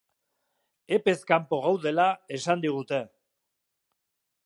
Epez kanpo gaudela esan digute.